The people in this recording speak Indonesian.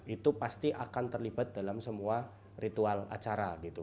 itu pasti akan terlibat dalam semua ritual acara gitu